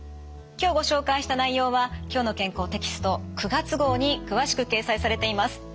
今日ご紹介した内容は「きょうの健康」テキスト９月号に詳しく掲載されています。